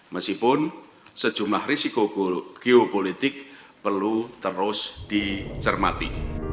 meskipun sejumlah risiko geopolitik perlu terus dicermati